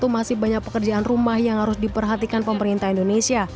masih banyak pekerjaan rumah yang harus diperhatikan pemerintah indonesia